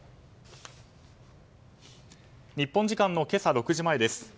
日本時間の今朝６時前です